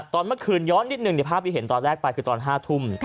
ตอนเมื่อคืนย้อนนิดนึงในภาพที่เห็นตอนแรกไปคือตอน๕ทุ่ม